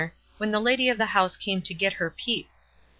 ncr when the lady of the house came to get her "peep."